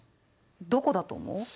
どこだと思う？